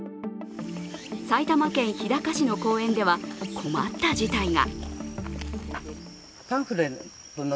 埼玉県日高市の公園では困った事態が。